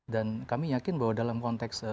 dan kami yakin bahwa dalam konteks